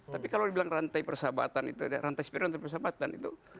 tapi kalau dibilang rantai persahabatan itu rantai sepeda rantai persahabatan itu